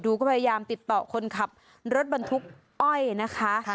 ก็พยายามติดต่อคนขับรถบรรทุกอ้อยนะคะ